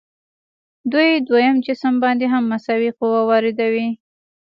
دوی دویم جسم باندې هم مساوي قوه واردوي.